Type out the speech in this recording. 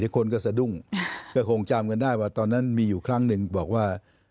คนก็สะดุ้งก็คงจำกันได้ว่าตอนนั้นมีอยู่ครั้งหนึ่งบอกว่า